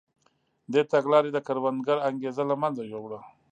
دې تګلارې د کروندګر انګېزه له منځه یووړه.